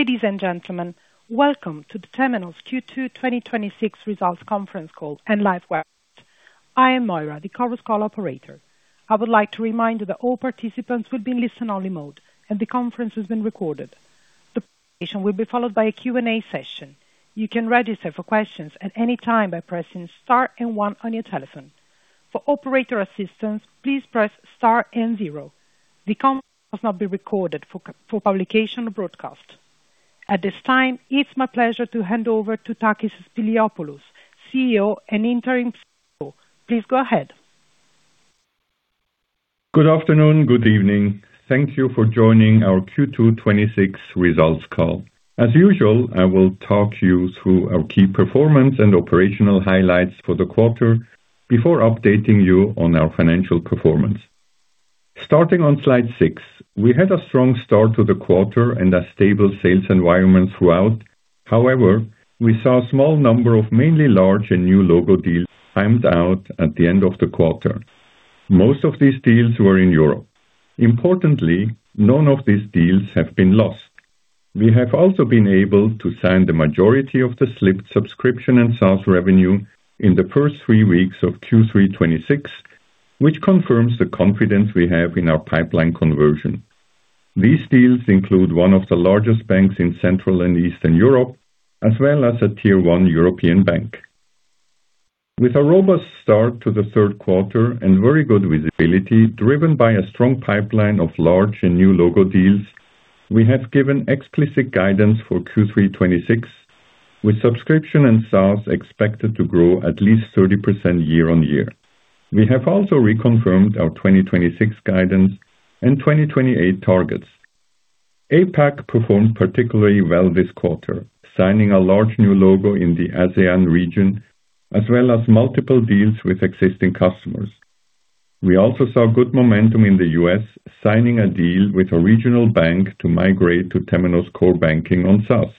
Ladies and gentlemen, welcome to the Temenos Q2 2026 Results Conference Call and Live Webcast. I am Moira, the Conference Call Operator. I would like to remind you that all participants will be in listen-only mode and the conference is being recorded. The presentation will be followed by a Q&A session. You can register for questions at any time by pressing star and one on your telephone. For operator assistance, please press star and zero. The conference must not be recorded for publication or broadcast. At this time, it's my pleasure to hand over to Takis Spiliopoulos, CEO and interim CFO. Please go ahead. Good afternoon, good evening. Thank you for joining our Q2 2026 results call. As usual, I will talk you through our key performance and operational highlights for the quarter before updating you on our financial performance. Starting on slide six, we had a strong start to the quarter and a stable sales environment throughout. However, we saw a small number of mainly large and new logo deals timed out at the end of the quarter. Most of these deals were in Europe. Importantly, none of these deals have been lost. We have also been able to sign the majority of the slipped subscription and SaaS revenue in the first three weeks of Q3 2026, which confirms the confidence we have in our pipeline conversion. These deals include one of the largest banks in Central and Eastern Europe, as well as a Tier 1 European bank. With a robust start to the third quarter and very good visibility driven by a strong pipeline of large and new logo deals, we have given explicit guidance for Q3 2026, with subscription and SaaS expected to grow at least 30% year-on-year. We have also reconfirmed our 2026 guidance and 2028 targets. APAC performed particularly well this quarter, signing a large new logo in the ASEAN region as well as multiple deals with existing customers. We also saw good momentum in the U.S. signing a deal with a regional bank to migrate to Temenos core banking on SaaS.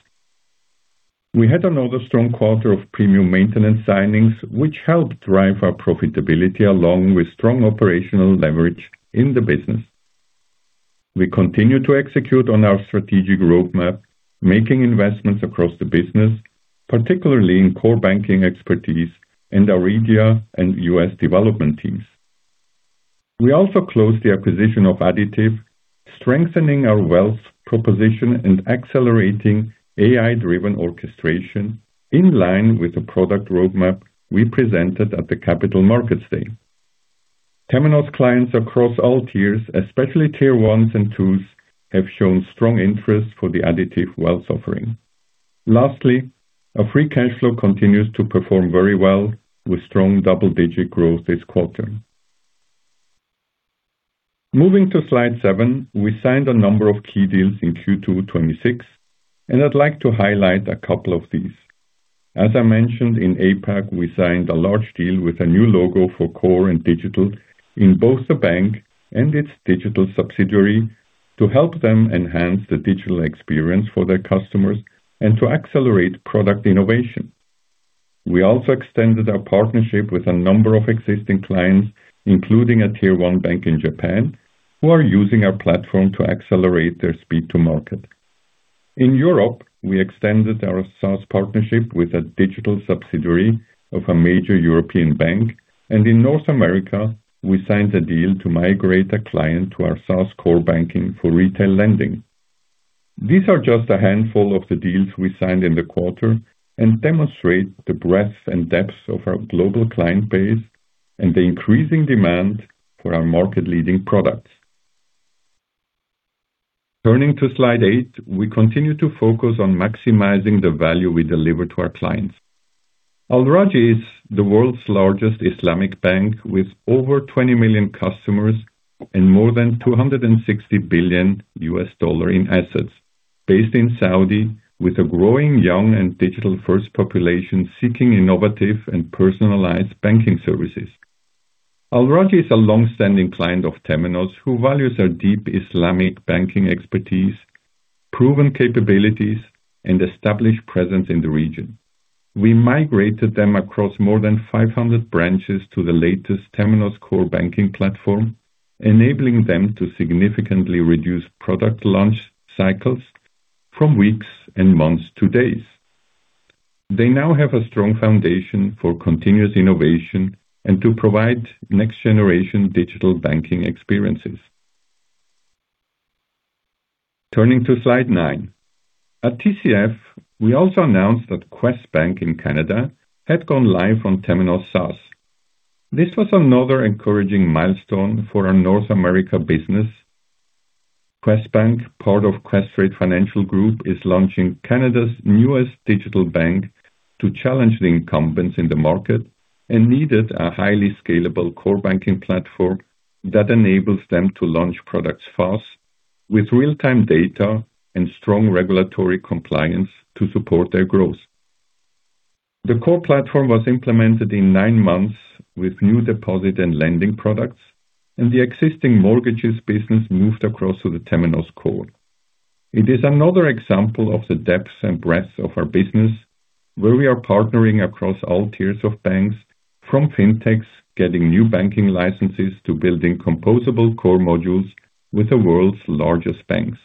We had another strong quarter of premium maintenance signings, which helped drive our profitability along with strong operational leverage in the business. We continue to execute on our strategic roadmap, making investments across the business, particularly in core banking expertise in our IGA and U.S. development teams. We also closed the acquisition of additiv, strengthening our wealth proposition and accelerating AI-driven orchestration in line with the product roadmap we presented at the Capital Markets Day. Temenos clients across all tiers, especially Tier 1s and 2s, have shown strong interest for the additiv wealth offering. Lastly, our free cash flow continues to perform very well with strong double-digit growth this quarter. Moving to slide seven. We signed a number of key deals in Q2 2026 and I'd like to highlight a couple of these. As I mentioned, in APAC, we signed a large deal with a new logo for core and digital in both the bank and its digital subsidiary to help them enhance the digital experience for their customers and to accelerate product innovation. We also extended our partnership with a number of existing clients, including a Tier 1 bank in Japan, who are using our platform to accelerate their speed to market. In Europe, we extended our SaaS partnership with a digital subsidiary of a major European bank. In North America, we signed a deal to migrate a client to our SaaS core banking for retail lending. These are just a handful of the deals we signed in the quarter demonstrate the breadth and depth of our global client base and the increasing demand for our market-leading products. Turning to slide eight. We continue to focus on maximizing the value we deliver to our clients. Al Rajhi is the world's largest Islamic bank, with over 20 million customers and more than $260 billion in assets. Based in Saudi, with a growing young and digital-first population seeking innovative and personalized banking services. Al Rajhi is a long-standing client of Temenos who values our deep Islamic banking expertise, proven capabilities, and established presence in the region. We migrated them across more than 500 branches to the latest Temenos core banking platform, enabling them to significantly reduce product launch cycles from weeks and months to days. They now have a strong foundation for continuous innovation and to provide next-generation digital banking experiences. Turning to slide nine. At TCF, we also announced that QuestBank in Canada had gone live on Temenos SaaS. This was another encouraging milestone for our North America business. QuestBank, part of Questrade Financial Group, is launching Canada's newest digital bank to challenge the incumbents in the market and needed a highly scalable core banking platform that enables them to launch products fast with real-time data and strong regulatory compliance to support their growth. The core platform was implemented in nine months with new deposit and lending products. The existing mortgages business moved across to the Temenos core. It is another example of the depth and breadth of our business, where we are partnering across all tiers of banks, from fintechs getting new banking licenses to building composable core modules with the world's largest banks.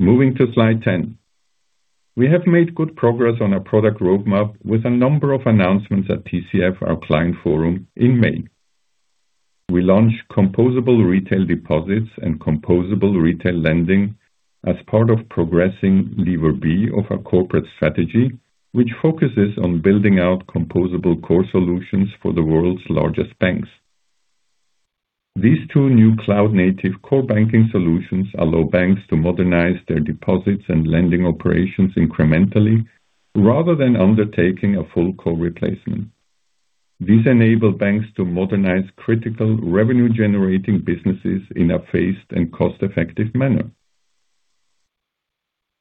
Moving to slide 10. We have made good progress on our product roadmap with a number of announcements at TCF, our client forum, in May. We launched Composable Retail Deposits and Composable Retail Lending as part of progressing lever B of our corporate strategy, which focuses on building out composable core solutions for the world's largest banks. These two new cloud-native core banking solutions allow banks to modernize their deposits and lending operations incrementally rather than undertaking a full core replacement. These enable banks to modernize critical revenue-generating businesses in a phased and cost-effective manner.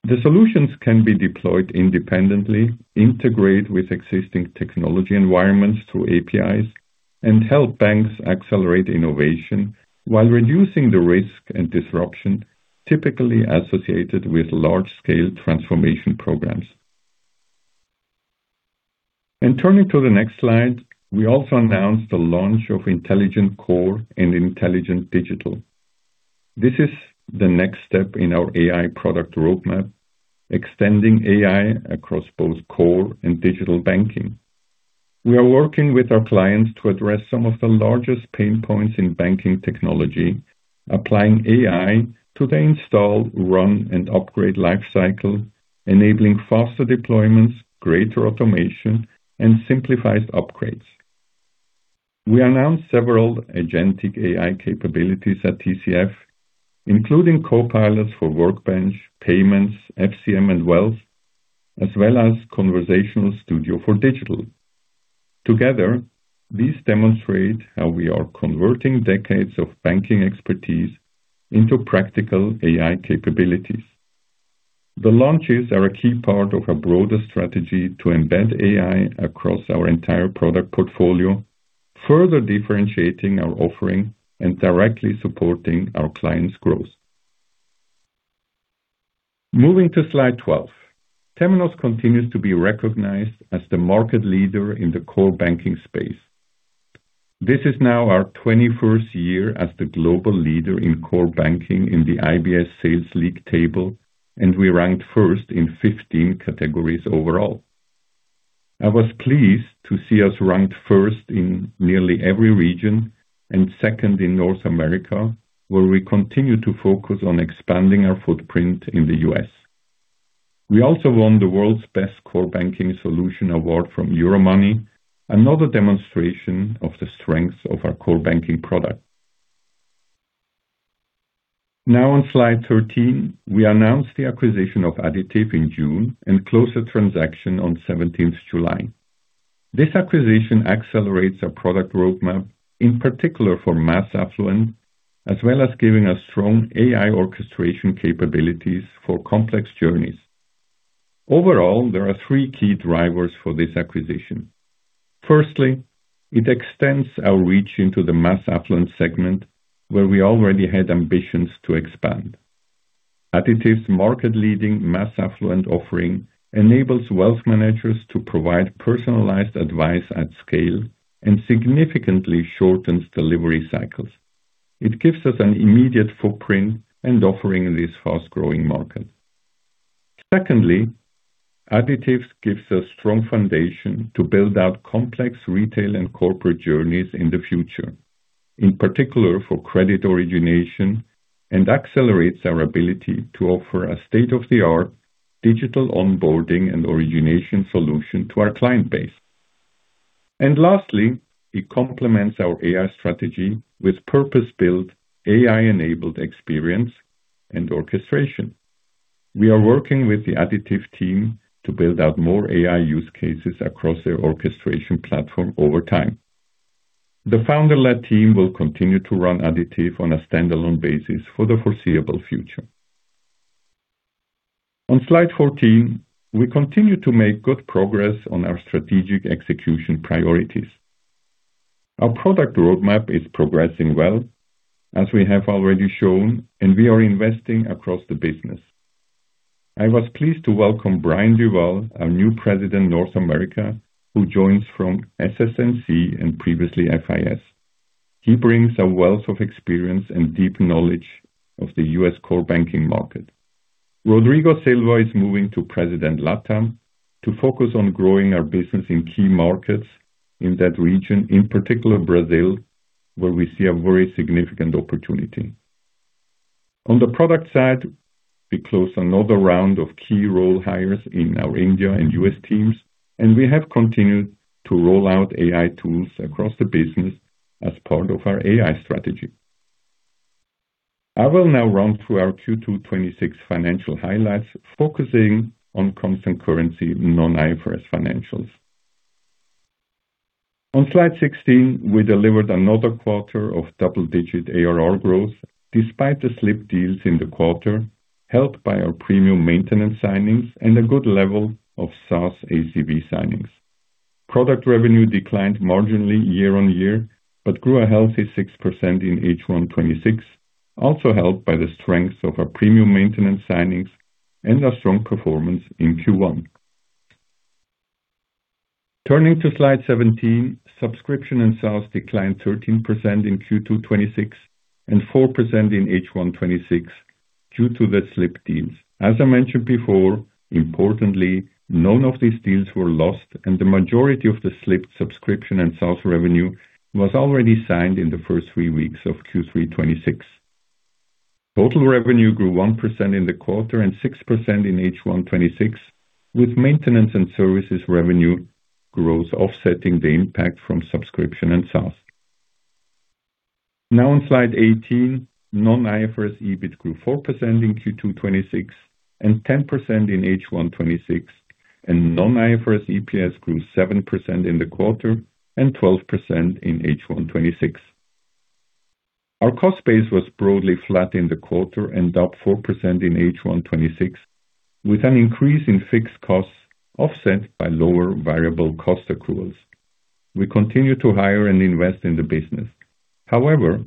The solutions can be deployed independently, integrate with existing technology environments through APIs, and help banks accelerate innovation while reducing the risk and disruption typically associated with large-scale transformation programs. Turning to the next slide. We also announced the launch of Intelligent Core and Intelligent Digital. This is the next step in our AI product roadmap, extending AI across both core and digital banking. We are working with our clients to address some of the largest pain points in banking technology, applying AI to the installed, run, and upgrade lifecycle, enabling faster deployments, greater automation, and simplified upgrades. We announced several agentic AI capabilities at TCF, including copilots for Workbench, Payments, FCM, and Wealth, as well as Conversational Studio for digital. Together, these demonstrate how we are converting decades of banking expertise into practical AI capabilities. The launches are a key part of a broader strategy to embed AI across our entire product portfolio. Further differentiating our offering and directly supporting our clients' growth. Moving to slide 12. Temenos continues to be recognized as the market leader in the core banking space. This is now our 21st year as the global leader in core banking in the IBS Sales League Table, and we ranked first in 15 categories overall. I was pleased to see us ranked first in nearly every region and second in North America, where we continue to focus on expanding our footprint in the U.S. We also won the World's Best Core Banking Solution Award from Euromoney, another demonstration of the strength of our core banking product. On slide 13, we announced the acquisition of additiv in June and closed the transaction on 17th July. This acquisition accelerates our product roadmap, in particular for mass affluent, as well as giving us strong AI orchestration capabilities for complex journeys. Overall, there are three key drivers for this acquisition. Firstly, it extends our reach into the mass affluent segment where we already had ambitions to expand. additiv's market-leading mass affluent offering enables wealth managers to provide personalized advice at scale and significantly shortens delivery cycles. It gives us an immediate footprint and offering in this fast-growing market. Secondly, additiv gives a strong foundation to build out complex retail and corporate journeys in the future, in particular for credit origination, and accelerates our ability to offer a state-of-the-art digital onboarding and origination solution to our client base. Lastly, it complements our AI strategy with purpose-built AI-enabled experience and orchestration. We are working with the additiv team to build out more AI use cases across their orchestration platform over time. The founder-led team will continue to run additiv on a standalone basis for the foreseeable future. On slide 14, we continue to make good progress on our strategic execution priorities. Our product roadmap is progressing well, as we have already shown, and we are investing across the business. I was pleased to welcome Brian DuVal, our new President, North America, who joins from SS&C and previously FIS. He brings a wealth of experience and deep knowledge of the U.S. core banking market. Rodrigo Silva is moving to President LATAM to focus on growing our business in key markets in that region, in particular Brazil, where we see a very significant opportunity. On the product side, we closed another round of key role hires in our India and U.S. teams, and we have continued to roll out AI tools across the business as part of our AI strategy. I will now run through our Q2 2026 financial highlights, focusing on constant currency non-IFRS financials. On slide 16, we delivered another quarter of double-digit ARR growth despite the slipped deals in the quarter, helped by our premium maintenance signings and a good level of SaaS ACV signings. Product revenue declined marginally year-on-year, but grew a healthy 6% in H1 2026, also helped by the strength of our premium maintenance signings and our strong performance in Q1. Turning to slide 17, subscription and SaaS declined 13% in Q2 2026 and 4% in H1 2026 due to the slipped deals. As I mentioned before, importantly, none of these deals were lost and the majority of the slipped subscription and SaaS revenue was already signed in the first three weeks of Q3 2026. Total revenue grew 1% in the quarter and 6% in H1 2026, with maintenance and services revenue growth offsetting the impact from subscription and SaaS. On slide 18, non-IFRS EBIT grew 4% in Q2 2026 and 10% in H1 2026, and non-IFRS EPS grew 7% in the quarter and 12% in H1 2026. Our cost base was broadly flat in the quarter and up 4% in H1 2026, with an increase in fixed costs offset by lower variable cost accruals. We continue to hire and invest in the business. However,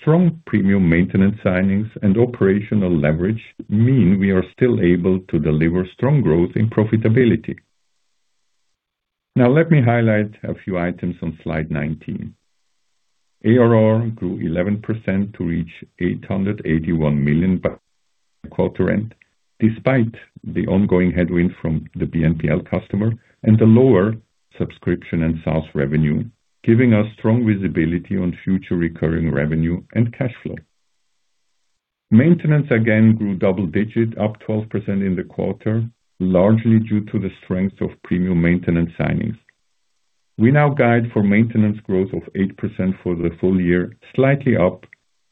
strong premium maintenance signings and operational leverage mean we are still able to deliver strong growth and profitability. Let me highlight a few items on slide 19. ARR grew 11% to reach 881 million by quarter end, despite the ongoing headwind from the BNPL customer and the lower subscription and SaaS revenue, giving us strong visibility on future recurring revenue and cash flow. Maintenance again grew double-digit, up 12% in the quarter, largely due to the strength of premium maintenance signings. We guide for maintenance growth of 8% for the full year, slightly up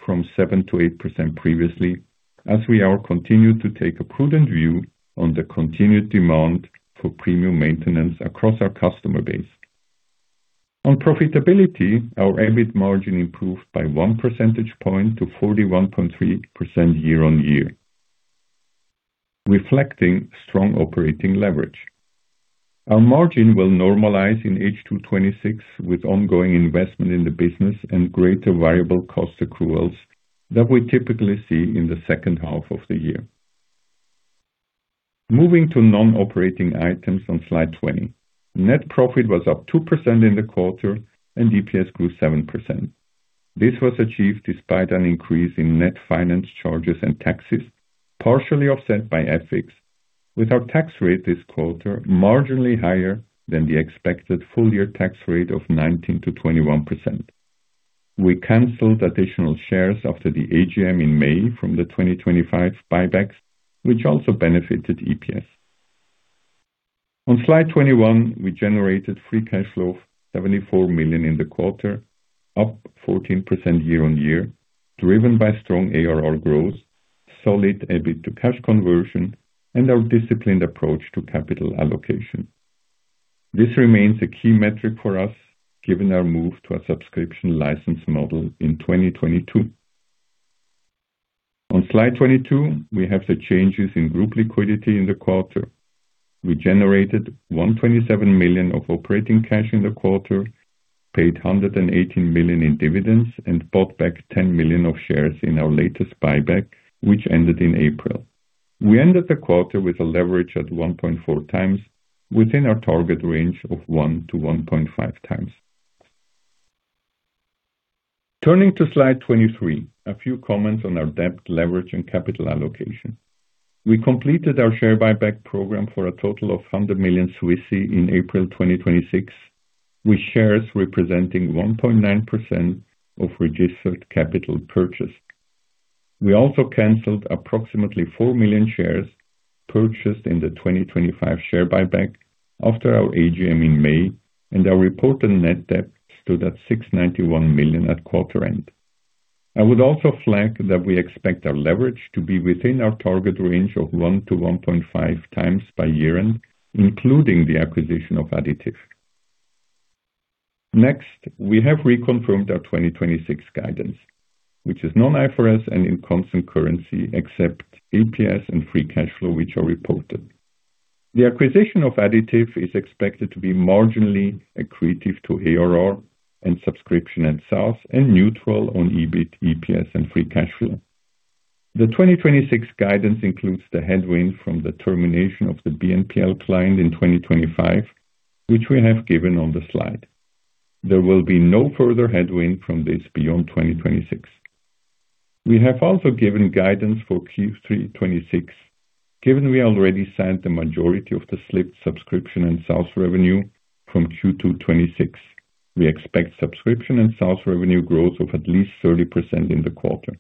from 7%-8% previously, as we are continued to take a prudent view on the continued demand for premium maintenance across our customer base. On profitability, our EBIT margin improved by one percentage point to 41.3% year-on-year. Reflecting strong operating leverage. Our margin will normalize in H2 2026 with ongoing investment in the business and greater variable cost accruals that we typically see in the second half of the year. Moving to non-operating items on slide 20. Net profit was up 2% in the quarter and EPS grew 7%. This was achieved despite an increase in net finance charges and taxes, partially offset by FX, with our tax rate this quarter marginally higher than the expected full year tax rate of 19%-21%. We canceled additional shares after the AGM in May from the 2025 buybacks, which also benefited EPS. On slide 21, we generated free cash flow of 74 million in the quarter, up 14% year-on-year, driven by strong ARR growth, solid EBITDA cash conversion, and our disciplined approach to capital allocation. This remains a key metric for us, given our move to a subscription license model in 2022. On slide 22, we have the changes in group liquidity in the quarter. We generated 127 million of operating cash in the quarter, paid 118 million in dividends, and bought back 10 million of shares in our latest buyback, which ended in April. We ended the quarter with a leverage at 1.4x within our target range of 1-1.5x. Turning to slide 23, a few comments on our debt leverage and capital allocation. We completed our share buyback program for a total of 100 million in April 2026, with shares representing 1.9% of registered capital purchase. We also canceled approximately four million shares purchased in the 2025 share buyback after our AGM in May, and our reported net debt stood at 691 million at quarter end. I would also flag that we expect our leverage to be within our target range of 1x-1.5x by year-end, including the acquisition of additiv. Next, we have reconfirmed our 2026 guidance, which is non-IFRS and in constant currency, except EPS and free cash flow, which are reported. The acquisition of additiv is expected to be marginally accretive to ARR and subscription and SaaS, and neutral on EBIT, EPS, and free cash flow. The 2026 guidance includes the headwind from the termination of the BNPL client in 2025, which we have given on the slide. There will be no further headwind from this beyond 2026. We have also given guidance for Q3 2026. Given we already signed the majority of the slipped subscription and SaaS revenue from Q2 2026. We expect subscription and SaaS revenue growth of at least 30% in the quarter.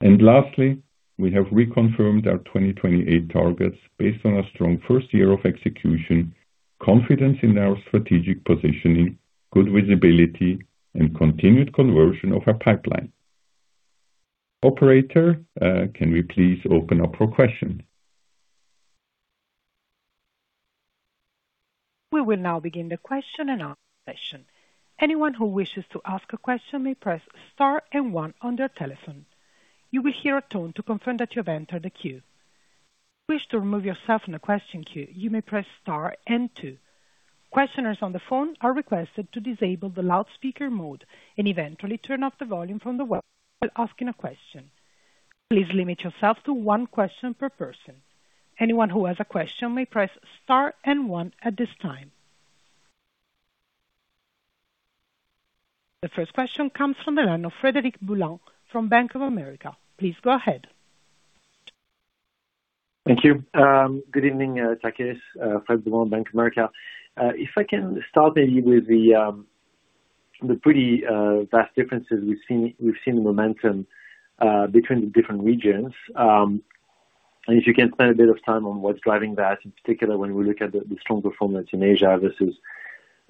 Lastly, we have reconfirmed our 2028 targets based on a strong first year of execution, confidence in our strategic positioning, good visibility, and continued conversion of our pipeline. Operator, can we please open up for questions? We will now begin the question and answer session. Anyone who wishes to ask a question may press star and one on their telephone. You will hear a tone to confirm that you have entered the queue. If you wish to remove yourself from the question queue, you may press star and two. Questioners on the phone are requested to disable the loudspeaker mode and eventually turn off the volume from the web while asking a question. Please limit yourself to one question per person. Anyone who has a question may press star and one at this time. The first question comes from the line of Frederic Boulan from Bank of America. Please go ahead. Thank you. Good evening, Takis. Fred Boulan, Bank of America. If I can start maybe with the pretty vast differences we've seen in momentum between the different regions, and if you can spend a bit of time on what's driving that, in particular when we look at the strong performance in Asia versus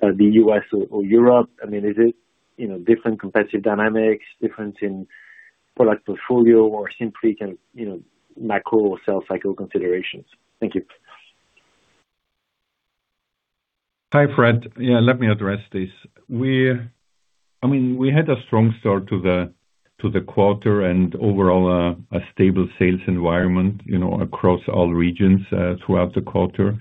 the U.S. or Europe. Is it different competitive dynamics, difference in product portfolio, or simply macro sales cycle considerations? Thank you. Hi, Fred. Yeah, let me address this. We had a strong start to the quarter and overall a stable sales environment across all regions throughout the quarter.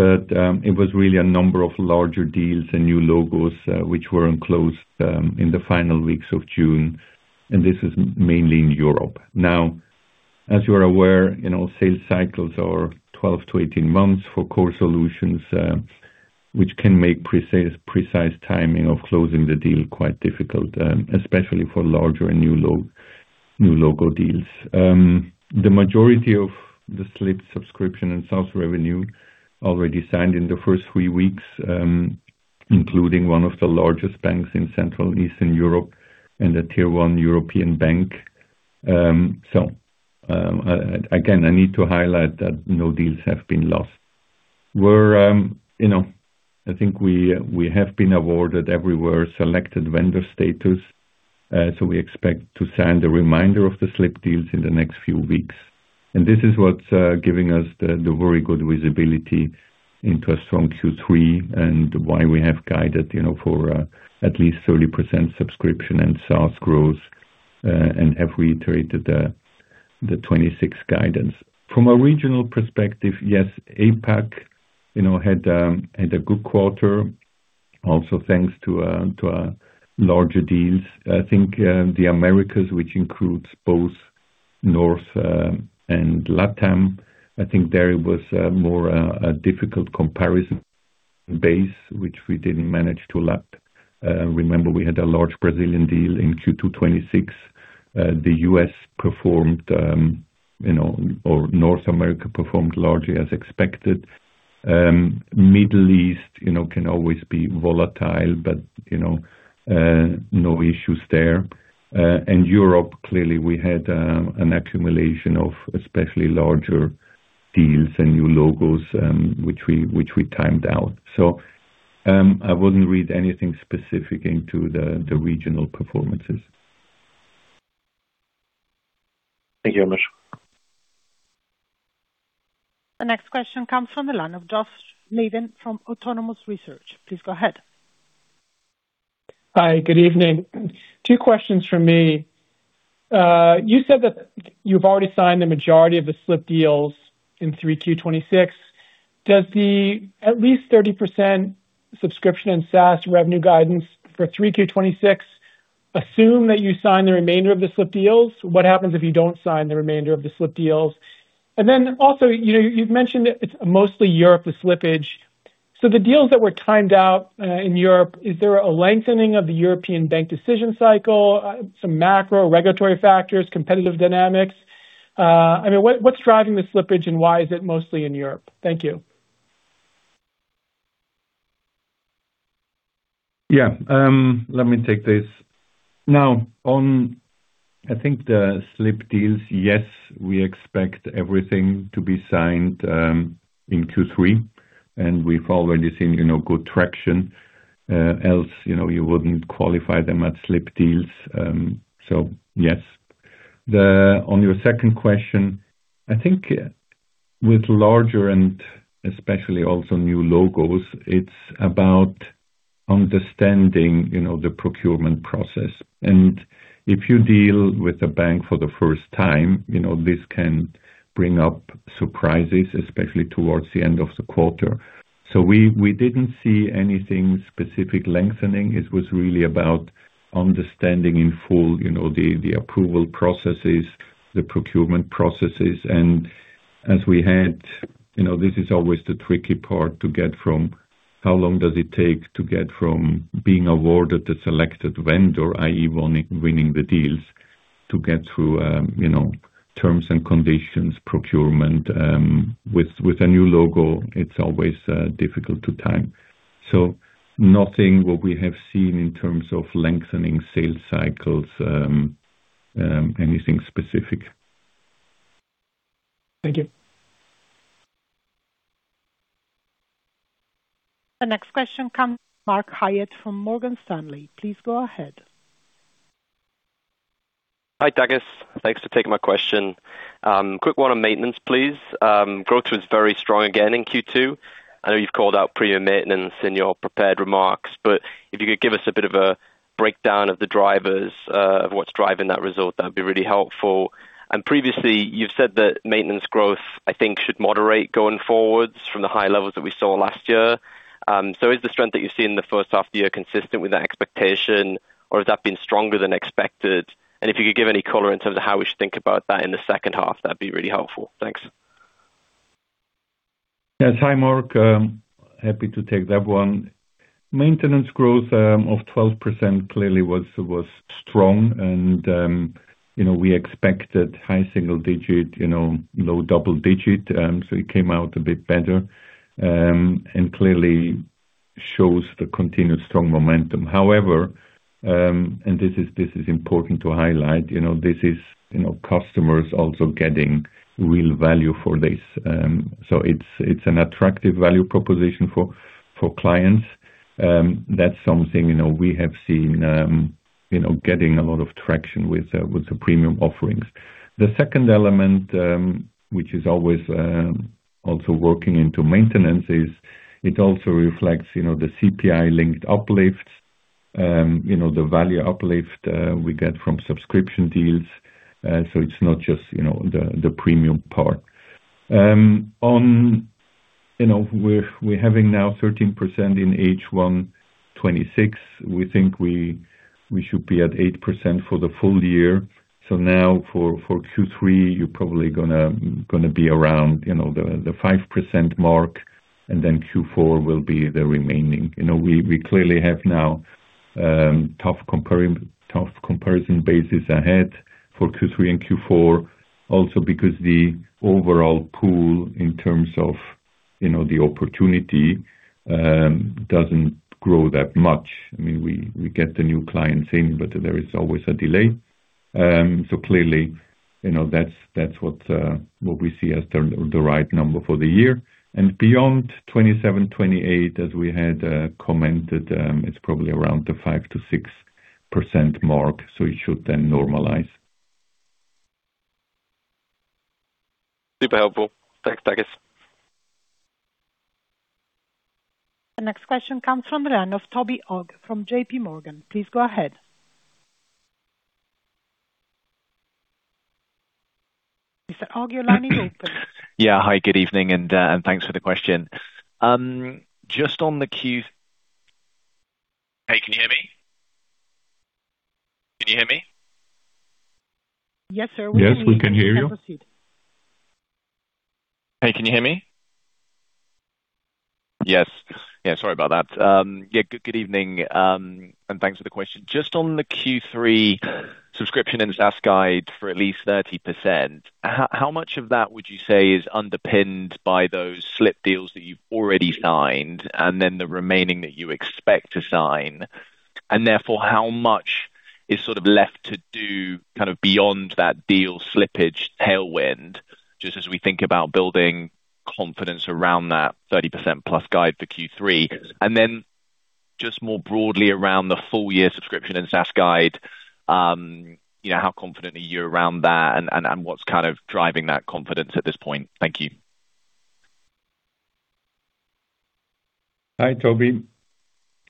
It was really a number of larger deals and new logos which were enclosed in the final weeks of June, and this is mainly in Europe. As you are aware, sales cycles are 12-18 months for core solutions, which can make precise timing of closing the deal quite difficult, especially for larger and new logo deals. The majority of the slipped subscription and SaaS revenue already signed in the first three weeks, including one of the largest banks in Central Eastern Europe and a Tier 1 European bank. Again, I need to highlight that no deals have been lost. I think we have been awarded everywhere selected vendor status, we expect to sign the remainder of the slipped deals in the next few weeks. This is what's giving us the very good visibility into a strong Q3 and why we have guided for at least 30% subscription and SaaS growth and have reiterated the 2026 guidance. From a regional perspective, yes, APAC had a good quarter also thanks to our larger deals. I think the Americas, which includes both North and LATAM, I think there it was more a difficult comparison base, which we didn't manage to lap. Remember we had a large Brazilian deal in Q2 2026. The U.S. performed, or North America performed largely as expected. Middle East can always be volatile, no issues there. Europe, clearly we had an accumulation of especially larger deals and new logos, which we timed out. I wouldn't read anything specific into the regional performances. Thank you very much. The next question comes from the line of Josh Levin from Autonomous Research. Please go ahead. Hi, good evening. Two questions from me. You said that you've already signed the majority of the slipped deals in 3Q 2026. Does the at least 30% subscription and SaaS revenue guidance for 3Q 2026 assume that you sign the remainder of the slipped deals? What happens if you don't sign the remainder of the slipped deals? Also, you've mentioned it's mostly Europe, the slippage. The deals that were timed out, in Europe, is there a lengthening of the European bank decision cycle? Some macro regulatory factors, competitive dynamics? What's driving the slippage and why is it mostly in Europe? Thank you. Let me take this. I think the slipped deals, yes, we expect everything to be signed in Q3. We've already seen good traction, else you wouldn't qualify them at slipped deals. Yes. On your second question, I think with larger and especially also new logos, it's about understanding the procurement process. If you deal with a bank for the first time, this can bring up surprises, especially towards the end of the quarter. We didn't see anything specific lengthening. It was really about understanding in full the approval processes, the procurement processes. As we had, this is always the tricky part to get from how long does it take to get from being awarded the selected vendor, i.e. winning the deals, to get through terms and conditions, procurement, with a new logo, it's always difficult to time. Nothing what we have seen in terms of lengthening sales cycles, anything specific. Thank you. The next question comes Mark Hyatt from Morgan Stanley. Please go ahead. Hi, Takis. Thanks for taking my question. Quick one on maintenance, please. Growth was very strong again in Q2. I know you've called out premium maintenance in your prepared remarks, if you could give us a bit of a breakdown of the drivers, of what's driving that result, that'd be really helpful. Previously you've said that maintenance growth, I think, should moderate going forwards from the high levels that we saw last year. Is the strength that you see in the first half year consistent with that expectation or has that been stronger than expected? If you could give any color in terms of how we should think about that in the second half, that'd be really helpful. Thanks. Yes. Hi, Mark. Happy to take that one. Maintenance growth of 12% clearly was strong and we expected high single digit, low double digit, so it came out a bit better, and clearly shows the continued strong momentum. However, this is important to highlight, this is customers also getting real value for this. It's an attractive value proposition for clients. That's something we have seen getting a lot of traction with the premium offerings. The second element, which is always also working into maintenance is it also reflects the CPI-linked uplifts, the value uplift we get from subscription deals. It's not just the premium part. We're having now 13% in H1 2026. We think we should be at 8% for the full year. Now for Q3, you're probably going to be around the 5% mark, and then Q4 will be the remaining. We clearly have now tough comparison bases ahead for Q3 and Q4 also because the overall pool in terms of the opportunity doesn't grow that much. We get the new clients in, but there is always a delay. Clearly, that's what we see as the right number for the year. Beyond 2027, 2028, as we had commented, it's probably around the 5%-6% mark, it should then normalize. Super helpful. Thanks, Takis. The next question comes from the line of Toby Ogg from JPMorgan. Please go ahead. Mr. Ogg, your line is open. Yeah. Hi, good evening, and thanks for the question. Just on the Q- Hey, can you hear me? Can you hear me? Yes, sir. We can hear you. Yes, we can hear you. You can proceed. Hey, can you hear me? Yes. Sorry about that. Good evening, and thanks for the question. Just on the Q3 subscription and SaaS guide for at least 30%, how much of that would you say is underpinned by those slip deals that you've already signed, and then the remaining that you expect to sign? How much is sort of left to do kind of beyond that deal slippage tailwind, just as we think about building confidence around that 30% plus guide for Q3? Just more broadly around the full year subscription and SaaS guide, how confident are you around that and what's kind of driving that confidence at this point? Thank you. Hi, Toby.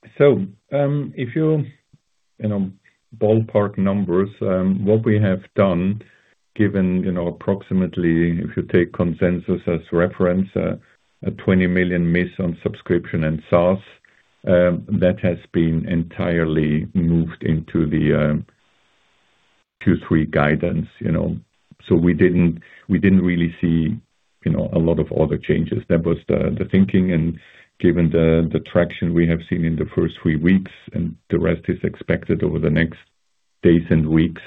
If you ballpark numbers, what we have done, given approximately, if you take consensus as reference, a 20 million miss on subscription and SaaS, that has been entirely moved into the Q3 guidance. We didn't really see a lot of other changes. That was the thinking, and given the traction we have seen in the first three weeks, and the rest is expected over the next days and weeks,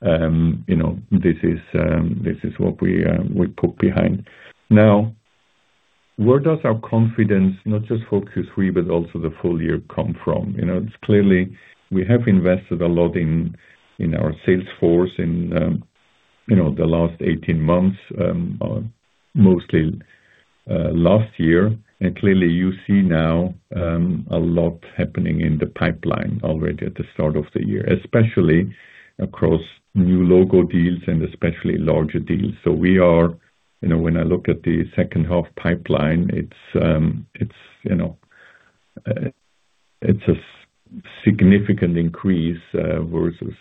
this is what we put behind. Where does our confidence, not just for Q3 but also the full year, come from? Clearly, we have invested a lot in our sales force in the last 18 months, mostly last year. Clearly, you see now a lot happening in the pipeline already at the start of the year, especially across new logo deals and especially larger deals. When I look at the second half pipeline, it's a significant increase, versus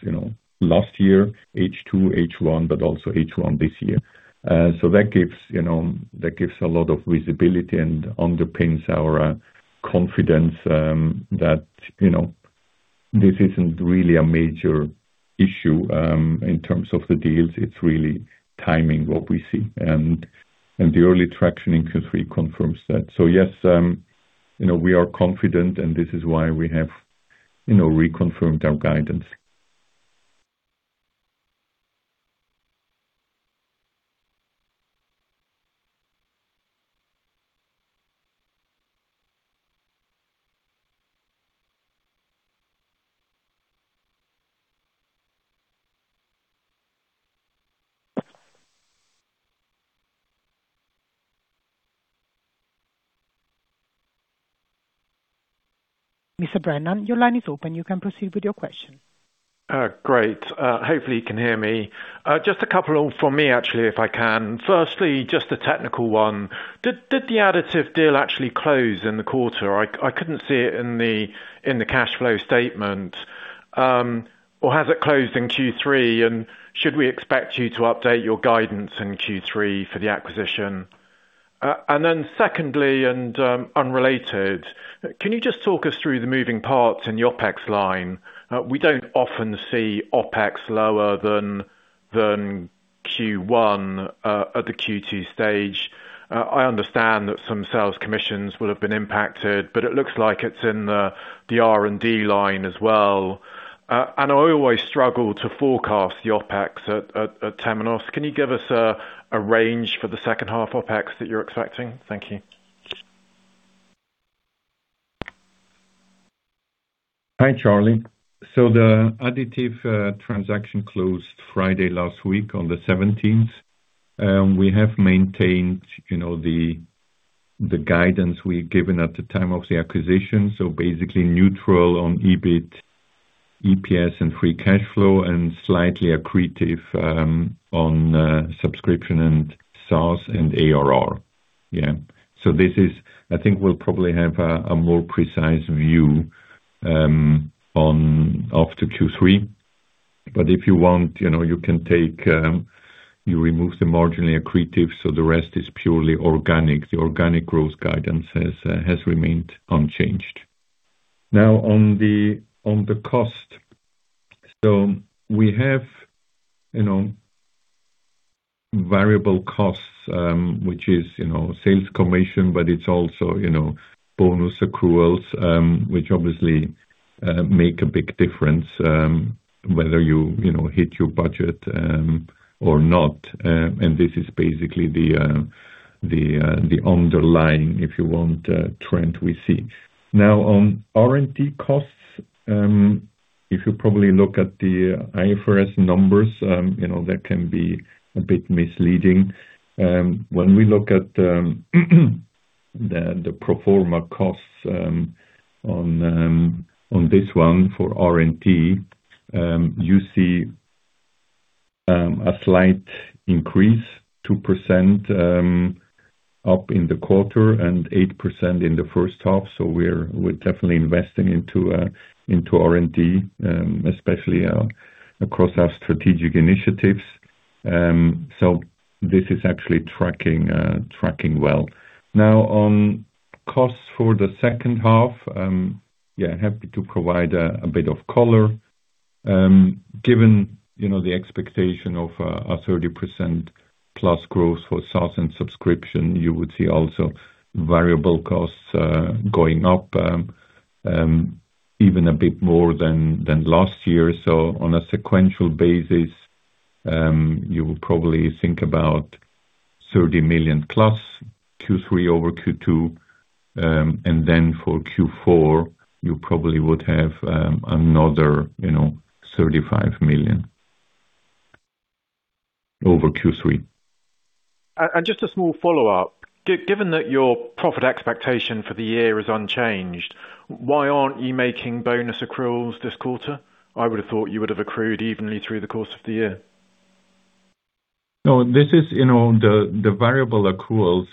last year, H2, H1, but also H1 this year. That gives a lot of visibility and underpins our confidence that this isn't really a major issue in terms of the deals. It's really timing what we see. The early traction in Q3 confirms that. Yes, we are confident, and this is why we have reconfirmed our guidance. Mr. Brennan, your line is open. You can proceed with your question. Great. Hopefully you can hear me. Just a couple from me, actually, if I can. Firstly, just a technical one. Did the additiv deal actually close in the quarter? I couldn't see it in the cash flow statement. Has it closed in Q3, and should we expect you to update your guidance in Q3 for the acquisition? Secondly, and, unrelated, can you just talk us through the moving parts in the OpEx line? We don't often see OpEx lower than Q1, at the Q2 stage. I understand that some sales commissions will have been impacted, but it looks like it's in the R&D line as well. I always struggle to forecast the OpEx at Temenos. Can you give us a range for the second half OpEx that you're expecting? Thank you. Hi, Charlie. The additiv transaction closed Friday last week on the 17th. We have maintained the guidance we've given at the time of the acquisition. Basically neutral on EBIT, EPS, and free cash flow, and slightly accretive on subscription and SaaS and ARR. Yeah. I think we'll probably have a more precise view after Q3. But if you want, you remove the marginally accretive, the rest is purely organic. The organic growth guidance has remained unchanged. Now on the cost. We have variable costs, which is sales commission, but it's also bonus accruals, which obviously make a big difference whether you hit your budget or not. This is basically the underlying, if you want, trend we see. Now on R&D costs, if you probably look at the IFRS numbers, that can be a bit misleading. When we look at the pro forma costs on this one for R&D you see a slight increase, 2% up in the quarter and 8% in the first half. We're definitely investing into R&D, especially across our strategic initiatives. This is actually tracking well. Now on costs for the second half, happy to provide a bit of color. Given the expectation of a 30%+ growth for SaaS and subscription, you would see also variable costs going up even a bit more than last year. On a sequential basis, you would probably think about 30+ million Q3 over Q2. Then for Q4, you probably would have another 35 million over Q3. Just a small follow-up. Given that your profit expectation for the year is unchanged, why aren't you making bonus accruals this quarter? I would have thought you would have accrued evenly through the course of the year. No, the variable accruals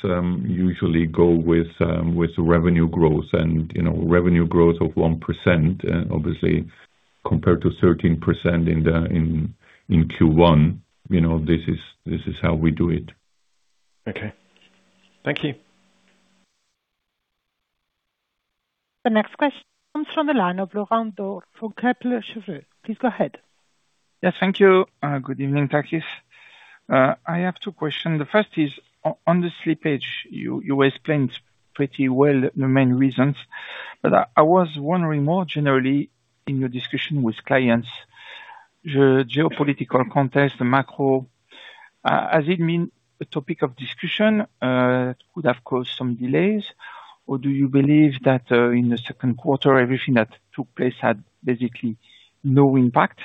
usually go with revenue growth, and revenue growth of 1%, obviously compared to 13% in Q1. This is how we do it. Okay. Thank you. The next question comes from the line of Laurent Daure from Kepler Cheuvreux. Please go ahead. Yes, thank you. Good evening, Takis. I have two questions. The first is on the slippage. You explained pretty well the main reasons, but I was wondering more generally in your discussion with clients, the geopolitical context, the macro, has it been a topic of discussion could have caused some delays? Or do you believe that in the second quarter, everything that took place had basically no impact?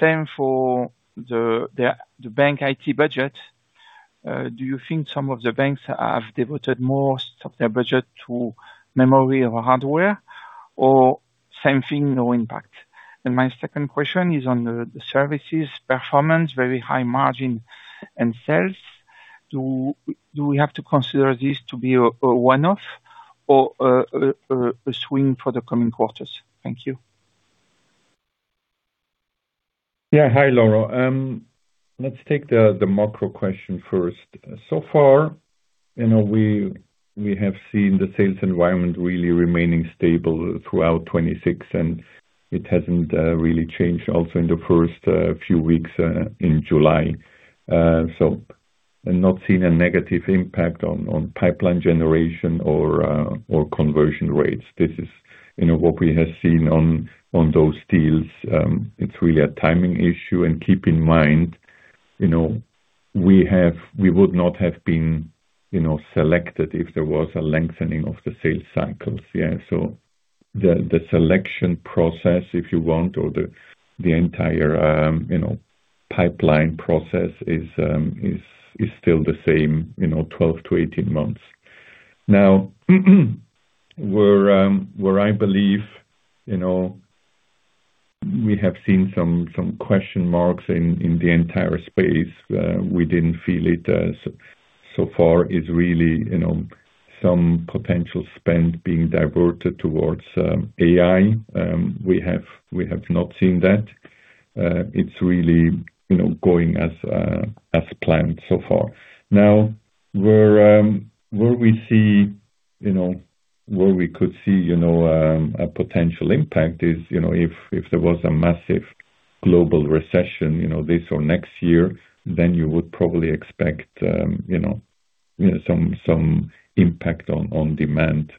Same for the bank IT budget. Do you think some of the banks have devoted more of their budget to memory or hardware or same thing, no impact? My second question is on the services performance, very high margin and sales. Do we have to consider this to be a one-off or a swing for the coming quarters? Thank you. Hi, Laurent. Let's take the macro question first. So far, we have seen the sales environment really remaining stable throughout 2026, and it hasn't really changed also in the first few weeks in July. I'm not seeing a negative impact on pipeline generation or conversion rates. This is what we have seen on those deals. It's really a timing issue. Keep in mind we would not have been selected if there was a lengthening of the sales cycles. The selection process, if you want, or the entire pipeline process is still the same, 12-18 months. Where I believe we have seen some question marks in the entire space. We didn't feel it so far is really some potential spend being diverted towards AI. We have not seen that. It's really going as planned so far. Where we could see a potential impact is if there was a massive global recession this or next year, you would probably expect some impact on demand.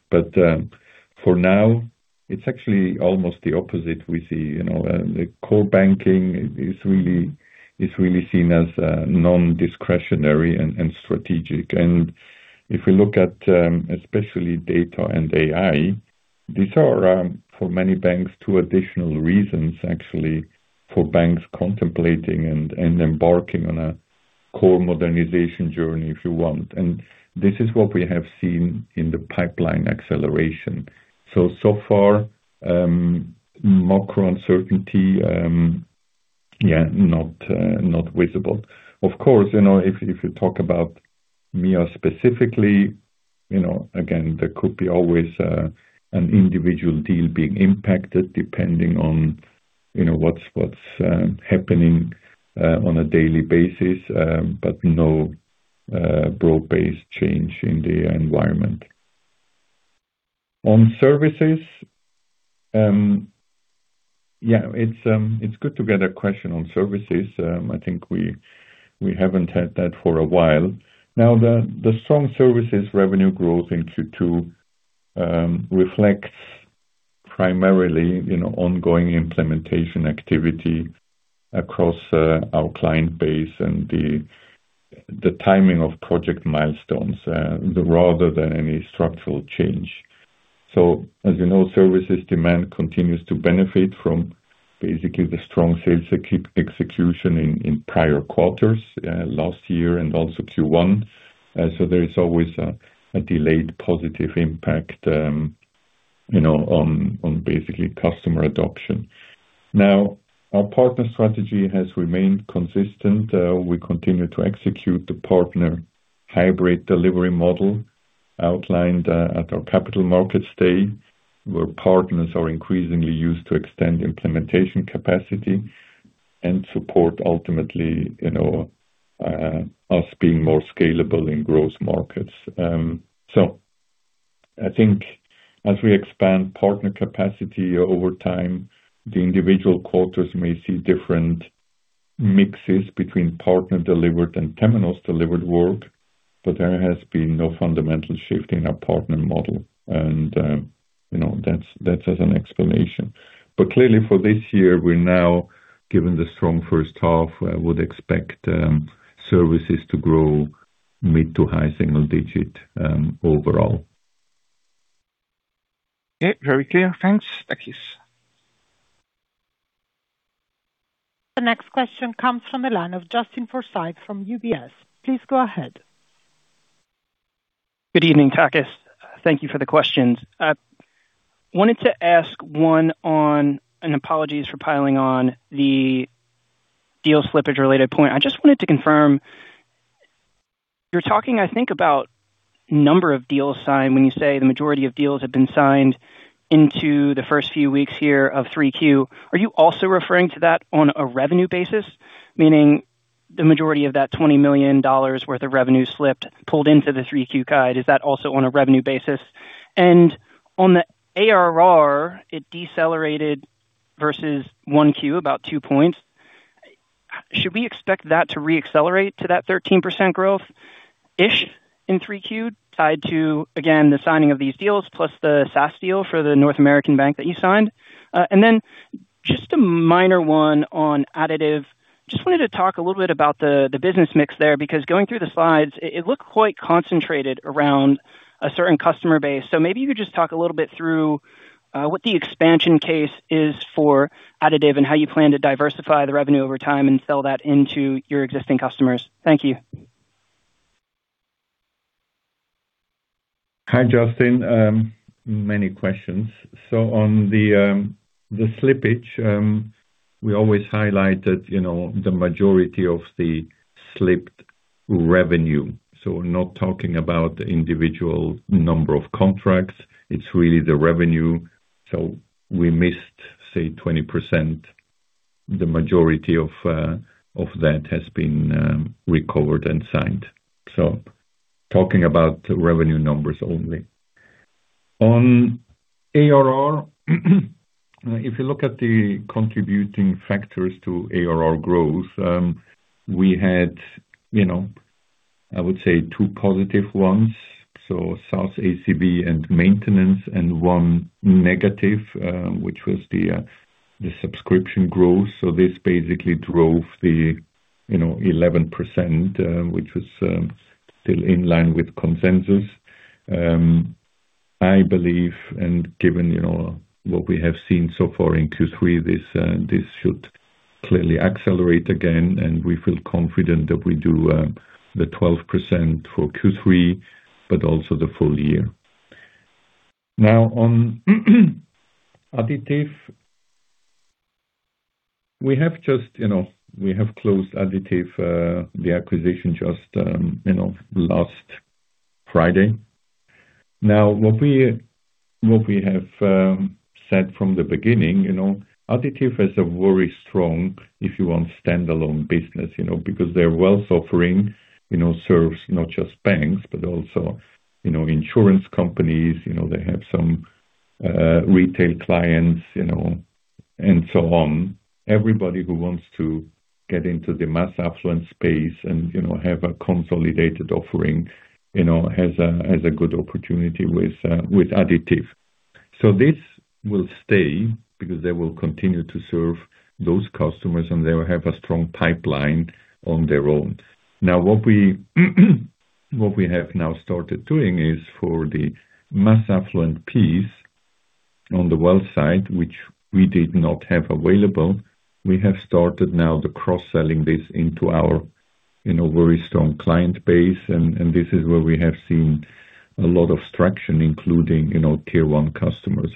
For now, it's actually almost the opposite. We see the core banking is really seen as non-discretionary and strategic. If we look at especially data and AI, these are, for many banks, two additional reasons actually for banks contemplating and embarking on a core modernization journey, if you want. This is what we have seen in the pipeline acceleration. So far, macro uncertainty not visible. Of course, if you talk about MEA specifically, again, there could be always an individual deal being impacted depending on what's happening on a daily basis. No broad-based change in the environment. On services, it's good to get a question on services. I think we haven't had that for a while. The strong services revenue growth in Q2 reflects primarily ongoing implementation activity across our client base and the timing of project milestones rather than any structural change As you know, services demand continues to benefit from basically the strong sales execution in prior quarters last year and also Q1. There is always a delayed positive impact on basically customer adoption. Our partner strategy has remained consistent. We continue to execute the partner hybrid delivery model outlined at our capital markets day, where partners are increasingly used to extend implementation capacity and support ultimately us being more scalable in growth markets. I think as we expand partner capacity over time, the individual quarters may see different mixes between partner-delivered and Temenos-delivered work, but there has been no fundamental shift in our partner model. That's as an explanation. Clearly for this year, we're now given the strong first half, would expect services to grow mid-to-high single-digit overall. Okay. Very clear. Thanks, Takis. The next question comes from the line of Justin Forsythe from UBS. Please go ahead. Good evening, Takis. Thank you for the questions. I wanted to ask one on, and apologies for piling on the deal slippage-related point. I just wanted to confirm, you're talking, I think, about number of deals signed when you say the majority of deals have been signed into the first few weeks here of 3Q. Are you also referring to that on a revenue basis, meaning the majority of that $20 million worth of revenue slipped, pulled into the 3Q guide? Is that also on a revenue basis? On the ARR, it decelerated versus 1Q, about 2 points. Should we expect that to re-accelerate to that 13% growth-ish in 3Q, tied to, again, the signing of these deals plus the SaaS deal for the North American bank that you signed? Just a minor one on additiv. Wanted to talk a little bit about the business mix there, because going through the slides, it looked quite concentrated around a certain customer base. Maybe you could just talk a little bit through what the expansion case is for additiv and how you plan to diversify the revenue over time and sell that into your existing customers. Thank you. Hi, Justin. Many questions. On the slippage, we always highlight that the majority of the slipped revenue. We're not talking about the individual number of contracts, it's really the revenue. We missed, say, 20%. The majority of that has been recovered and signed. Talking about revenue numbers only. On ARR, if you look at the contributing factors to ARR growth, we had I would say two positive ones. SaaS ACB and maintenance, and one negative, which was the subscription growth. This basically drove the 11%, which was still in line with consensus. I believe, and given what we have seen so far in Q3, this should clearly accelerate again, and we feel confident that we do the 12% for Q3, but also the full year. On additiv. We have closed additiv, the acquisition just last Friday. What we have said from the beginning, additiv has a very strong, if you want, standalone business. Their wealth offering serves not just banks, but also insurance companies. They have some retail clients and so on. Everybody who wants to get into the mass affluent space and have a consolidated offering has a good opportunity with additiv. This will stay because they will continue to serve those customers, and they will have a strong pipeline on their own. What we have now started doing is for the mass affluent piece on the wealth side, which we did not have available, we have started now the cross-selling this into our very strong client base. This is where we have seen a lot of traction, including tier one customers.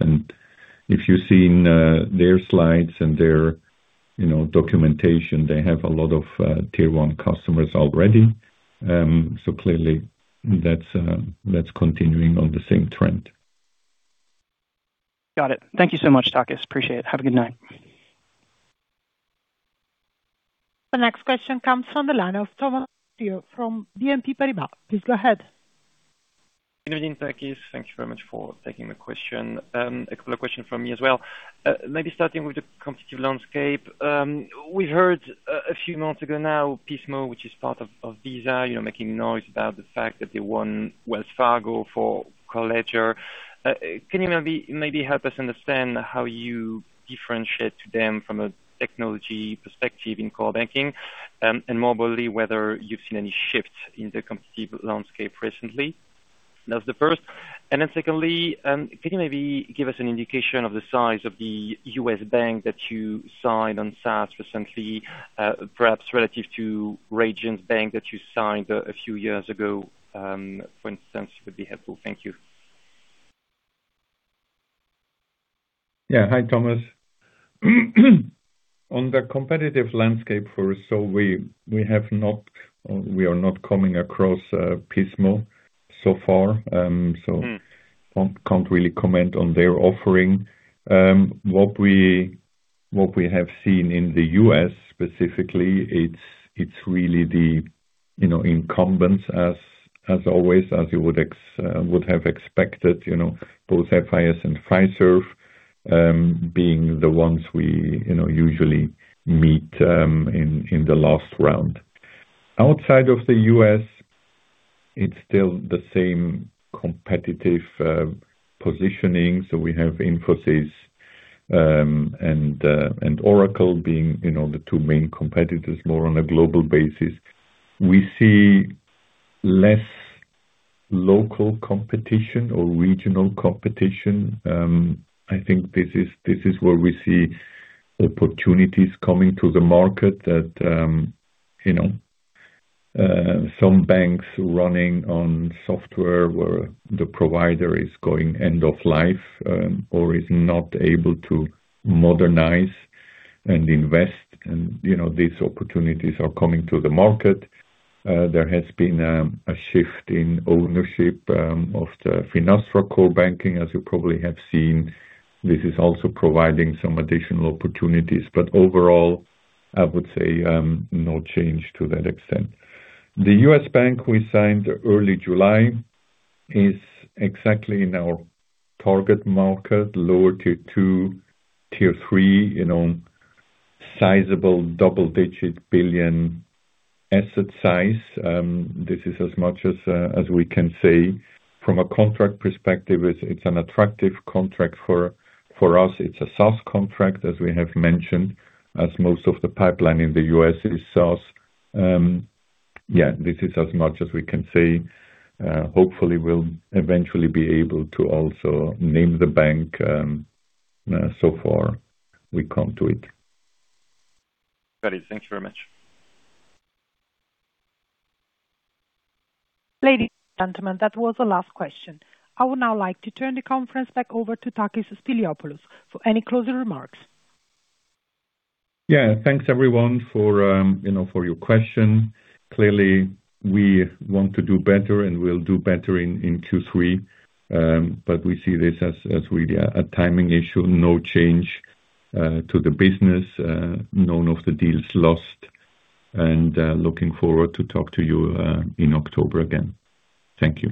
If you've seen their slides and their documentation, they have a lot of Tier 1 customers already. Clearly that's continuing on the same trend. Got it. Thank you so much, Takis. Appreciate it. Have a good night. The next question comes from the line of Thomas Teule from BNP Paribas. Please go ahead. Good evening, Takis. Thank you very much for taking the question. A couple of questions from me as well. Maybe starting with the competitive landscape. We heard a few months ago now, Pismo, which is part of Visa, making noise about the fact that they won Wells Fargo for Core Ledger. Can you maybe help us understand how you differentiate to them from a technology perspective in core banking? More broadly, whether you've seen any shifts in the competitive landscape recently? That's the first. Secondly, can you maybe give us an indication of the size of the U.S. bank that you signed on SaaS recently, perhaps relative to Regions Bank that you signed a few years ago, for instance, would be helpful. Thank you. Yeah. Hi, Thomas. On the competitive landscape for us, we are not coming across Pismo so far. Can't really comment on their offering. What we have seen in the U.S. specifically, it's really the incumbents as always, as you would have expected, both FIS and Fiserv being the ones we usually meet in the last round. Outside of the U.S., it's still the same competitive positioning. We have Infosys and Oracle being the two main competitors more on a global basis. We see less local competition or regional competition. I think this is where we see opportunities coming to the market that some banks running on software where the provider is going end of life or is not able to modernize and invest, and these opportunities are coming to the market. There has been a shift in ownership of the Finastra core banking, as you probably have seen. This is also providing some additional opportunities, but overall, I would say, no change to that extent. The U.S. bank we signed early July is exactly in our target market, lower Tier 2, Tier 3, sizable double-digit billion asset size. This is as much as we can say. From a contract perspective, it's an attractive contract for us. It's a SaaS contract, as we have mentioned, as most of the pipeline in the U.S. is SaaS. This is as much as we can say. Hopefully, we'll eventually be able to also name the bank, so far we come to it. Got it. Thank you very much. Ladies and gentlemen, that was the last question. I would now like to turn the conference back over to Takis Spiliopoulos for any closing remarks. Yeah. Thanks everyone for your question. Clearly, we want to do better, and we'll do better in Q3. We see this as really a timing issue. No change to the business. None of the deals lost. Looking forward to talk to you in October again. Thank you